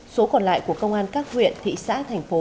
số còn lại của công an các huyện thị xã thành phố